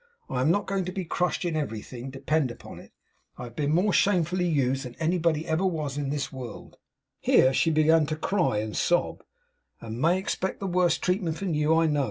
I am not going to be crushed in everything, depend upon it. I've been more shamefully used than anybody ever was in this world,' here she began to cry and sob, 'and may expect the worse treatment from you, I know.